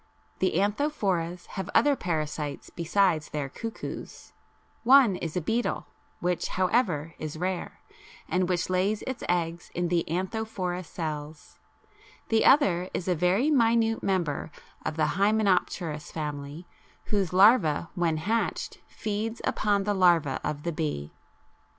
The Anthophoras have other parasites besides their cuckoos; one is a beetle, which, however, is rare, and which lays its egg in the Anthophora cells; the other is a very minute member of the Hymenopterous family, whose larva when hatched feeds upon the larva of the bee.